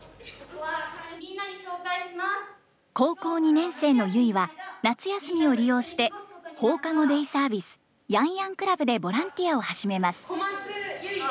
高校２年生のゆいは夏休みを利用して放課後デイサービスヤンヤンクラブでボランティアを始めます。